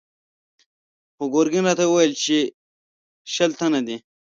خو ګرګين راته ويلي و چې شل تنه دي.